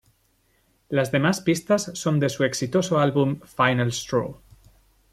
Las demás pistas son de su exitoso álbum "Final straw".